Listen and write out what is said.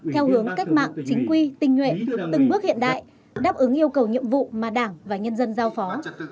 theo hướng cách mạng chính quy tinh nhuệ từng bước hiện đại đáp ứng yêu cầu nhiệm vụ mà đảng và nhân dân giao phó